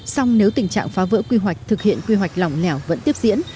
song nếu tình trạng phá vỡ quy hoạch thực hiện quy hoạch lỏng lẻo vẫn tiếp diễn